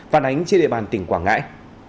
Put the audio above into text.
phản ánh trên địa bàn tỉnh quảng ngãi